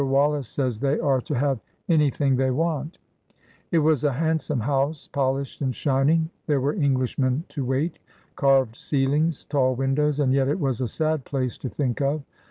Wallace says they are to have anything they want" It was a handsome house, polished and shining, there were Englishmen to wait, carved ceilings, tall windows, and yet it was a sad place to think of.